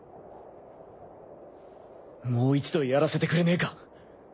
もう一度やらせてくれねえか？